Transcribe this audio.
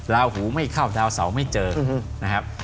ลาหูไม่เข้าดาวเสาไม่เจอนะครับ